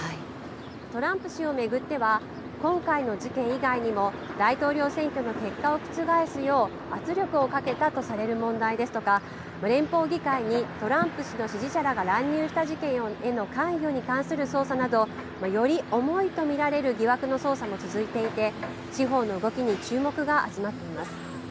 トランプ氏を巡っては、今回の事件以外にも、大統領選挙の結果を覆すよう圧力をかけたとされる問題ですとか、連邦議会にトランプ氏の支持者らが乱入した事件への関与の捜査など、より重いと見られる疑惑の捜査も続いていて、司法の動きに注目が集まっています。